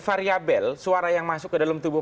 variabel suara yang masuk ke dalam tubuh